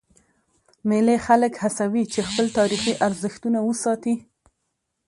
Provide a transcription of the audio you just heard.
مېلې خلک هڅوي، چي خپل تاریخي ارزښتونه وساتي.